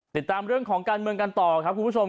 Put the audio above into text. ติดตามเรื่องของการเมืองกันต่อครับคุณผู้ชม